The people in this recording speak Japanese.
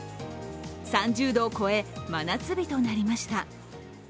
３０度を超え、真夏日となりました。